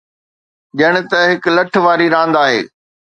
ڄڻ ته هڪ لٺ واري راند آهي.